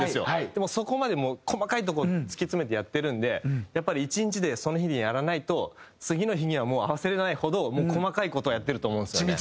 でもそこまで細かいとこ突き詰めてやってるんでやっぱり１日でその日にやらないと次の日には合わせられないほど細かい事をやってると思うんですよね。